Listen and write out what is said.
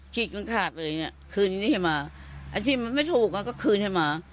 ฉีดลงขาดเลยเนี้ยคืนนี้ให้มาอันที่มันไม่ถูกมาก็คืนให้มา